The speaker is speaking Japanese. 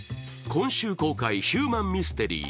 今週公開、ヒューマンミステリー